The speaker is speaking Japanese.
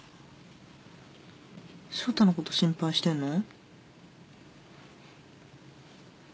祥太のこと心配してんの？